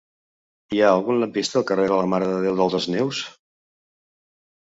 Hi ha algun lampista al carrer de la Mare de Déu de les Neus?